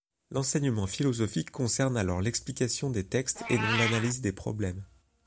L'enseignement philosophique concerne alors l'explication des textes et non l'analyse des problèmes.